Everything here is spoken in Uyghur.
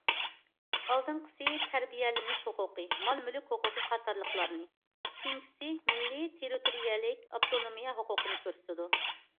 ئالدىنقىسى تەربىيەلىنىش ھوقۇقى، مال- مۈلۈك ھوقۇقى قاتارلىقلارنى، كېيىنكىسى مىللىي تېررىتورىيەلىك ئاپتونومىيە ھوقۇقىنى كۆرسىتىدۇ.